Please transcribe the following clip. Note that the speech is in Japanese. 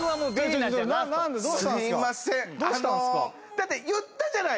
だって言ったじゃない。